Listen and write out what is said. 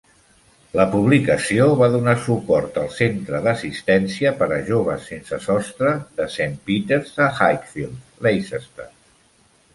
La publicació va donar suport al Centre d'assistència per a joves sense sostre de Saint Peter a Highfields, Leicester.